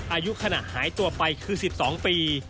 อายุขณะหายตัวไปคือ๑๒ปี